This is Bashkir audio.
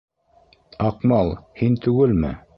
Аҡмал, һин түгелме?